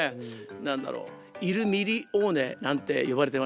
何だろイル・ミリオーネなんて呼ばれてましたね。